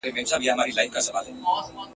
شرنګول مي غزلونه هغه نه یم !.